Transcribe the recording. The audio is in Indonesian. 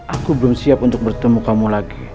aku belum siap untuk bertemu kamu lagi